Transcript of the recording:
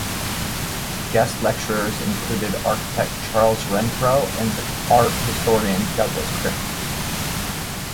Guest lecturers included architect Charles Renfro and art historian Douglas Crimp.